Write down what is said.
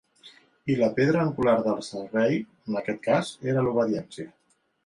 I la pedra angular del servei, en aquest cas, era l'obediència.